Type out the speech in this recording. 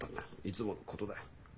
いつものことだよ。